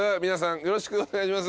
よろしくお願いします。